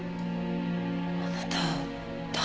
あなた誰？